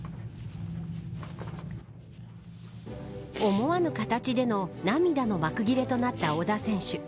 思わぬ形での涙の幕切れとなった織田選手。